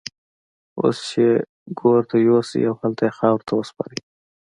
اوس يې ګور ته يوسئ او هلته يې خاورو ته وسپارئ.